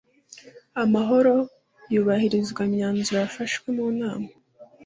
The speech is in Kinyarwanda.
amahoro yubahiriza imyanzuro y'afashwe mu manama